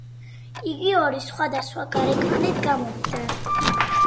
იგი ორი სხვადასხვა გარეკანით გამოვიდა.